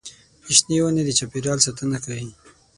د شنې ونې د چاپېریال ساتنه کوي.